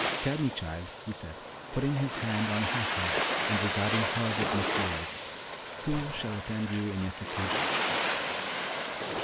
"Tell me, child," he said, putting his hand on her head, and regarding her with misty eyes, "who shall attend you in your seclusion?"